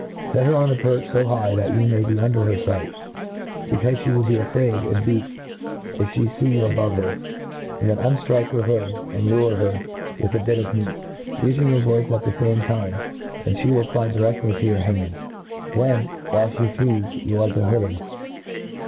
Set her on a perch fo high that you may be under her fight, becaufe * (he will be afraid, and beat, if flie fee you a bove her; then unftrik'e her hood, and lure her with a bit of meat, ufing your voice at the fame time, and flie will fly direftly to your hand. Then, while flic feeds, you are to hood her.